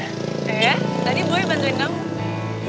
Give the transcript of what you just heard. iya tadi boy bantuin kamu